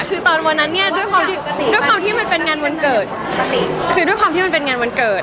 คือตอนวันนั้นเนี่ยด้วยความที่มันเป็นงานวันเกิด